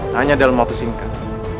hanya dalam waktu singkat